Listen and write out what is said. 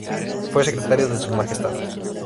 Fue Secretario de su Majestad.